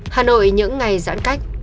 hà nội những ngày giãn cách